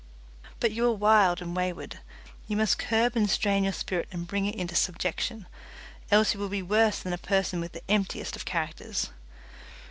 But you are wild and wayward, you must curb and strain your spirit and bring it into subjection, else you will be worse than a person with the emptiest of characters.